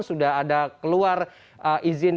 sudah ada keluar izin